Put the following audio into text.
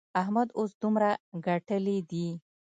احمد اوس دومره ګټلې دي.